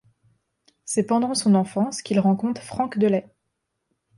C'est pendant son enfance qu'il rencontre Frank Delay.